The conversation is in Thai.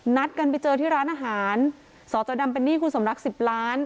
นัดกันไปเจอที่ร้านอาหารสจดำเป็นหนี้คุณสมรักสิบล้าน